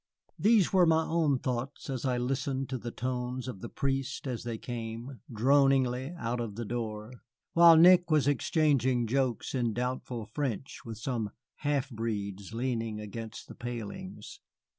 These were my own thoughts as I listened to the tones of the priest as they came, droningly, out of the door, while Nick was exchanging jokes in doubtful French with some half breeds leaning against the palings.